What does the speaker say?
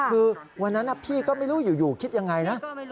คือวันนั้นพี่ก็ไม่รู้อยู่คิดยังไงนะ